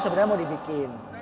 sebenernya mau dibikin